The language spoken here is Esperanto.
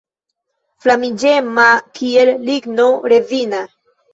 Flamiĝema kiel ligno rezina.